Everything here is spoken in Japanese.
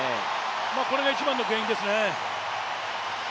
これが一番の原因ですね。